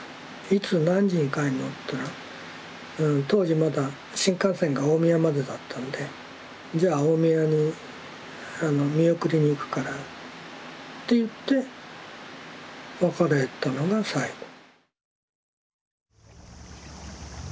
いつ何時に帰るの？というのは当時まだ新幹線が大宮までだったんでじゃあ大宮に見送りにいくからって言って別れたのが最後。